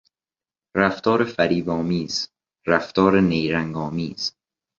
رفتار فریبآمیز، رفتار نیرنگآمیز